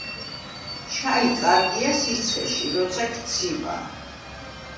ჩაი კარგია სიცხეში როცა გცივა